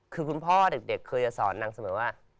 คือคุณพ่อเด็กเคยจะสอนนางเสมอว่า